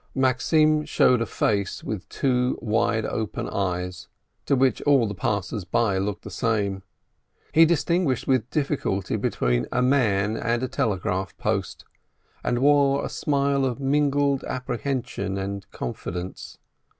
Maxim showed a face with two wide open eyes, to which all the passers by looked the same. He dis tinguished with difficulty between a man and a telegraph post, and wore a smile of mingled apprehension and confidence.